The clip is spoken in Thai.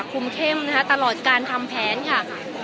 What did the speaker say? คุมเข้มนะคะตลอดการทำแผนค่ะ